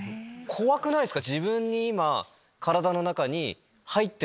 怖くないですか？